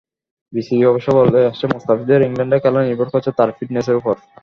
BCB অবশ্য বলে আসছে, মুস্তাফিজের ইংল্যান্ডে খেলা নির্ভর করছে তাঁর ফিটনেসের ওপর।